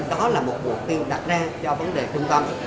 đó là một mục tiêu đặt ra cho vấn đề trung tâm